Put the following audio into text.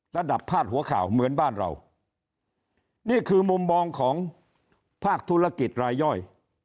พาดหัวข่าวเหมือนบ้านเรานี่คือมุมมองของภาคธุรกิจรายย่อย